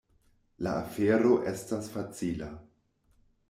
La afero estas facila.